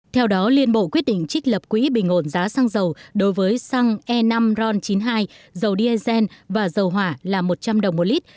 theo đó liên bộ quyết định trích lập quỹ bình ổn giá xăng dầu đối với xăng e năm ron chín mươi hai dầu diesel và dầu hỏa là một trăm linh đồng một lít